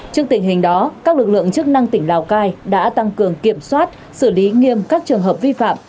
trước tình hình đó các lực lượng chức năng tỉnh lào cai đã tăng cường kiểm soát xử lý nghiêm các trường hợp vi phạm